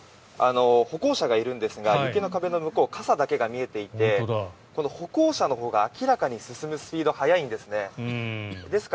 歩行者がいるんですが雪の壁の向こうに傘だけが見えていて歩行者のほうが明らかに進むスピードが速いんですね。